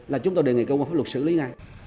là chúng tôi đề nghị cơ quan pháp luật xử lý ngay